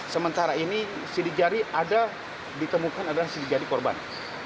sementara ini sidik jari ada ditemukan adalah sidik jari korban